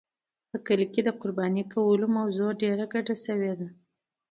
په کلي کې د قربانۍ کولو موضوع ډېره ګډه شوې وه.